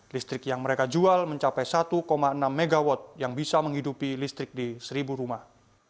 listrik yang mereka jual mencapai satu enam mw yang bisa menghidupi listrik di seribu rumah